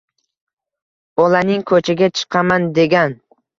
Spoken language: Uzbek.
bolaning koʼchaga chiqaman degan